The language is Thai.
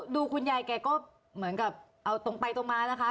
คุณยายแกก็เหมือนกับเอาตรงไปตรงมานะคะ